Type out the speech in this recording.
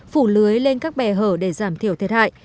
phủ lưới lên các bè hở để giảm thiểu thiệt hại